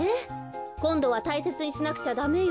こんどはたいせつにしなくちゃダメよ。